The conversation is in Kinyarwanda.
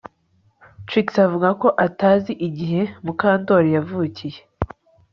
Trix avuga ko atazi igihe Mukandoli yavukiye astynk